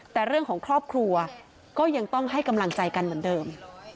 แต่เรื่องของครอบครัวก็ยังต้องให้กำลังใจกันเหมือนเดิม